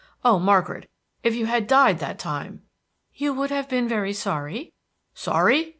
Oh, Margaret, if you had died that time!" "You would have been very sorry?" "Sorry?